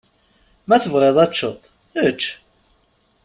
Ma tebɣiḍ ad teččeḍ, ečč.